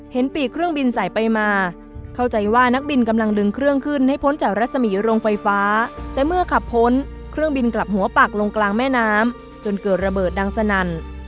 ปีกเครื่องบินสายไปมาเข้าใจว่านักบินกำลังดึงเครื่องขึ้นให้พ้นจากรัศมีโรงไฟฟ้าแต่เมื่อขับพ้นเครื่องบินกลับหัวปากลงกลางแม่น้ำจนเกิดระเบิดดังสนั่น